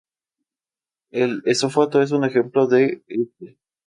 El estofado es un ejemplo de este.